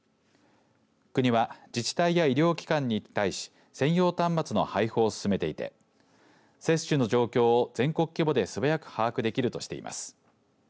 国は、自治体や医療機関に対し専用端末の配布を進めていて接種の状況を全国規模ですばやく把握できるとしています。